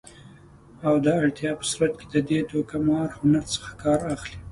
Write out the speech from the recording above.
او د اړتیا په صورت کې د دې دوکه مار هنر څخه کار اخلي